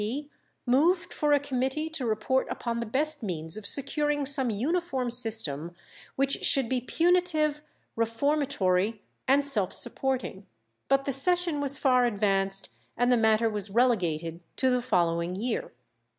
P., moved for a committee to report upon the best means of securing some uniform system which should be "punitive, reformatory, and self supporting;" but the session was far advanced, and the matter was relegated to the following year.